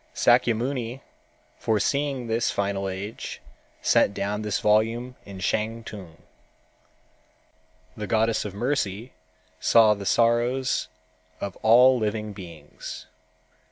Sâkyamuni foreseeing this final age sent down this volume in Shantung. The Goddess of Mercy saw the sorrows of all living beings.